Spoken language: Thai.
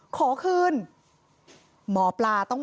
หมาก็เห่าตลอดคืนเลยเหมือนมีผีจริง